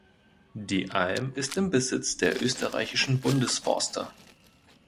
Die Alm ist im Besitz der Österreichischen Bundesforste.